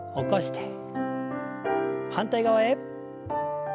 反対側へ。